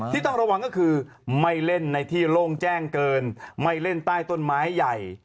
ที่ต้องระวังก็คือไม่เล่นในที่โล่งแจ้งเกินไม่เล่นใต้ต้นไม้ใหญ่